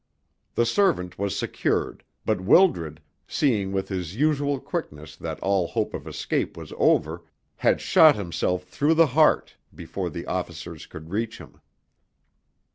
The servant was secured, but Wildred, seeing with his usual quickness that all hope of escape was over, had shot himself through the heart before the officers could reach him.